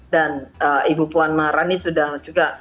dan ibu puan maharani sudah juga